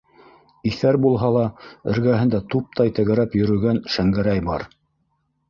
Иҫәр булһа ла эргәһендә туптай тәгәрәп йөрөгән Шәңгәрәй бар.